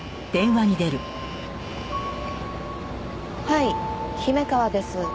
はい姫川です。